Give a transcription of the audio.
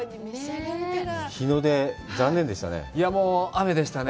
日の出、残念でしたね。